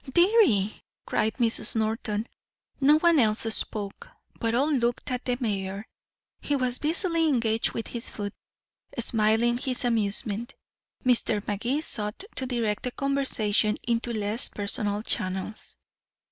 "Dearie!" cried Mrs. Norton. No one else spoke, but all looked at the mayor. He was busily engaged with his food. Smiling his amusement, Mr. Magee sought to direct the conversation into less personal channels.